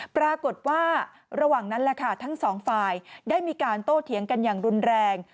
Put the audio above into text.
ปรากฏว่าระหว่างนั้นแหละค่ะทั้งสองฝ่ายได้มีการโต้เถียงกันอย่างรุนแรง